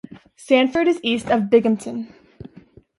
Sanford is east of Binghamton.